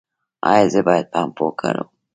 ایا زه باید پمپ وکاروم؟